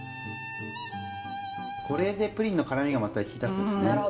これでプリンの辛みがまた引き立つんですね。